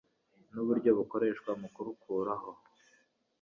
n'uburyo bukoreshwa mu kurukuraho